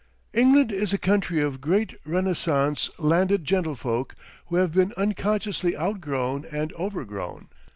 England is a country of great Renascence landed gentlefolk who have been unconsciously outgrown and overgrown.